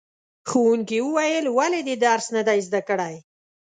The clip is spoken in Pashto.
ښوونکي وویل ولې دې درس نه دی زده کړی؟